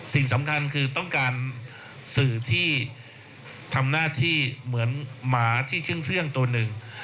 สิ่งสำคัญคือต้องการสื่อที่ทำหน้าที่เหมือนหมาที่เครื่องตัวหนึ่ง